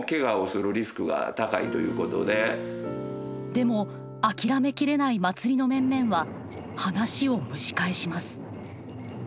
でも諦め切れない祭りの面々は話を蒸し返します。